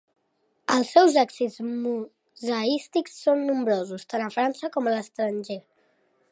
Els seus èxits museístics són nombrosos, tant a França com a l'estranger.